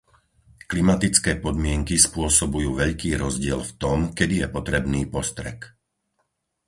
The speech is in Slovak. Klimatické podmienky spôsobujú veľký rozdiel v tom, kedy je potrebný postrek.